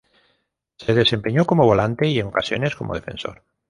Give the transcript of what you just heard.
Se desempeñó como volante y en ocasiones como defensor.